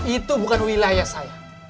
itu bukan wilayah saya